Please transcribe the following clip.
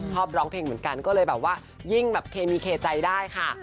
ชอบร้องเพลงเหมือนกันก็เลยแบบว่ายิ่งแบบเคมีเคใจได้ค่ะ